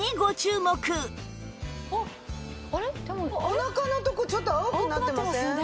おなかのとこちょっと青くなってません？